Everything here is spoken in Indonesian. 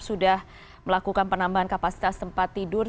sudah melakukan penambahan kapasitas tempat tidur